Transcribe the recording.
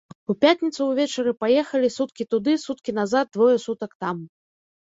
У пятніцу ўвечары паехалі, суткі туды, суткі назад, двое сутак там.